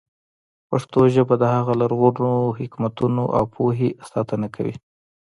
پښتو ژبه د هغو لرغونو حکمتونو او پوهې ساتنه کوي.